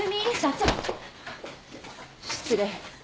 失礼。